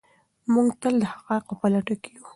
موږ تل د حقایقو په لټه کې یو.